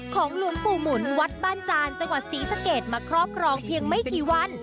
หลวงปู่หมุนวัดบ้านจานจังหวัดศรีสะเกดมาครอบครองเพียงไม่กี่วัน